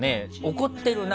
怒ってるな。